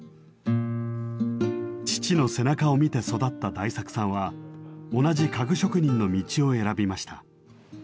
父の背中を見て育った大作さんは同じ家具職人の道を選びました。